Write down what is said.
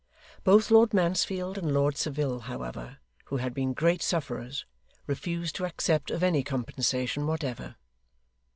Both Lord Mansfield and Lord Saville, however, who had been great sufferers, refused to accept of any compensation whatever.